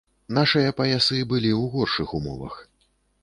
Нашыя паясы былі ў горшых умовах.